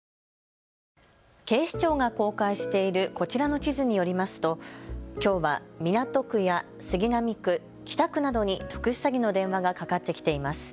警視庁が公開しているこちらの地図によりますときょうは港区や杉並区、北区などに特殊詐欺の電話がかかってきています。